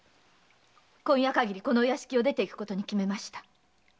今夜かぎりこのお屋敷を出ていくことに決めました。